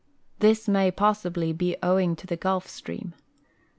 This ma_y,' possibly, be owing to the Gulf stream.